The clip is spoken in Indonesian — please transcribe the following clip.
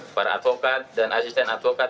para advokat dan asisten advokat